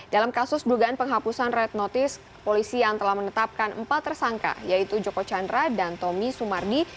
dalam kasus dugaan penghapusan red notice polisi yang telah menetapkan empat tersangka yaitu joko chandra dan tommy sumardi